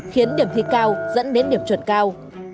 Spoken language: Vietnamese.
khiến điểm thi cao dẫn đến điểm chuẩn cao